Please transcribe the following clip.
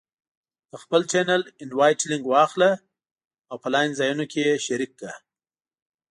د خپل چینل Invite Link واخله او په لاندې ځایونو کې یې شریک کړه: